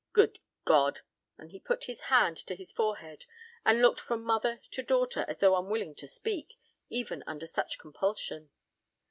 Good God!" And he put his hand to his forehead and looked from mother to daughter as though unwilling to speak, even under such compulsion.